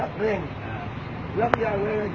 ลักเล่งลักอย่างเล่งไม่แล้วไม่ได้ความสนทรัพย์